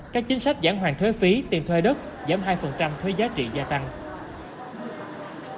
các chính sách giãn hoàn thuế phí tiền thuê đất giảm hai thuế giá trị gia tăng